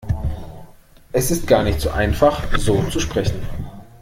Es ist gar nicht so einfach, so zu sprechen.